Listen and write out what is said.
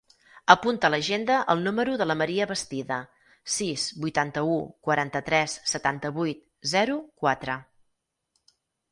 Apunta a l'agenda el número de la Maria Bastida: sis, vuitanta-u, quaranta-tres, setanta-vuit, zero, quatre.